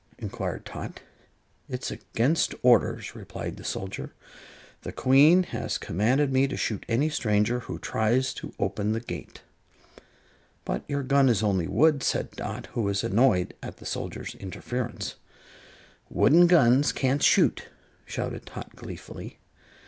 inquired Tot. "It's against orders," replied the soldier. "The Queen has commanded me to shoot any stranger who tries to open the gate." "But your gun is only wood," said Dot, who was annoyed at the soldier's interference. "Wooden guns can't shoot!" shouted Tot, gleefully.